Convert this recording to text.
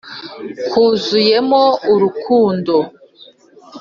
kuzuyemo urukundo